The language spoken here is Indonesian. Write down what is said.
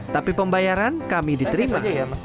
tapi pembayaran kami diterima